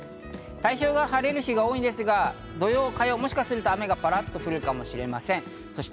太平洋側は晴れる日が多いんですが、土曜と火曜、もしかしたらパラっと雨が降るかもしれません。